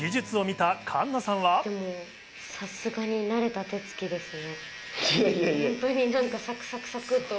さすがに慣れた手つきですね。